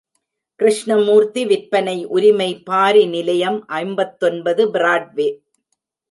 கிருஷ்ணமூர்த்தி விற்பனை உரிமை பாரி நிலையம் ஐம்பத்தொன்பது, பிராட்வே.